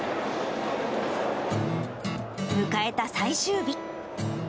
迎えた最終日。